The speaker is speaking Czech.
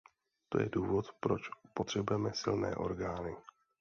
To je důvod, proč potřebujeme silné orgány.